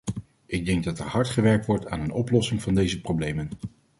Ik denk dat er hard gewerkt wordt aan een oplossing van deze problemen.